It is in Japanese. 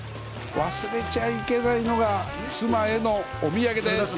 忘れちゃいけないのが妻へのお土産です。